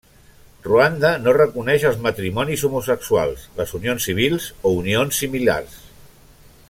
Ruanda no reconeix els matrimonis homosexuals, les unions civils o unions similars.